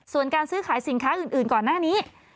ส่วนการซื้อขายสินค้าอื่นก่อนหน้านี้